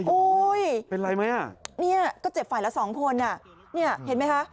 โอ๊ยเป็นไรไหมนี่ก็เจ็บฝ่ายละสองคนนี่เห็นไหมคะ